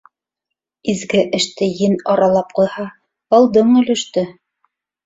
Изге эште ен аралап ҡуйһа, алдың өлөштө!